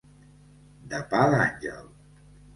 De pa d'àngel.